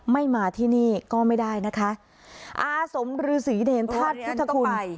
มาที่นี่ก็ไม่ได้นะคะอาสมฤษีเนรธาตุพุทธคุณ